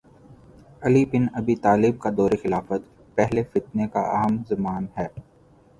علی بن ابی طالب کا دور خلافت پہلے فتنے کا ہم زمان ہے